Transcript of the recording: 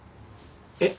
えっ？